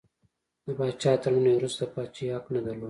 د پاچا تر مړینې وروسته د پاچاهۍ حق نه درلود.